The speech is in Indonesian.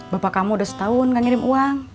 bapak kamu udah setahun gak ngirim uang